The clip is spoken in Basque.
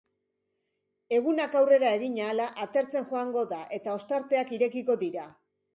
Egunak aurrera egin ahala atertzen joango da eta ostarteak irekiko dira.